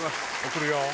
送るよ。